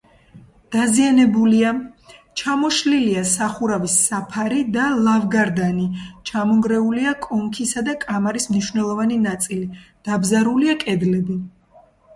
დაზიანებულია: ჩამოშლილია სახურავის საფარი და ლავგარდანი, ჩამონგრეულია კონქისა და კამარის მნიშვნელოვანი ნაწილი, დაბზარულია კედლები.